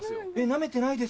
舐めてないです。